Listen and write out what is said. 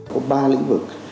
có ba lĩnh vực